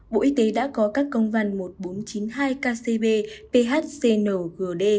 bộ y tế đã có các công văn một nghìn bốn trăm chín mươi hai kcb ph cn vd